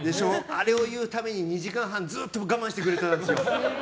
あれを言うために２時間半ずっと我慢してくれてたんですよ。